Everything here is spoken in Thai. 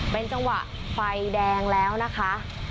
เป็นจังหวะไฟแดงแล้วนะคะ